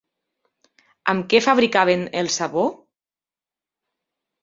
Amb què fabricaven el sabó?